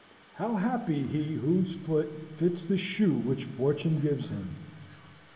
How happy he whose foot fits the shoe which fortune gives him!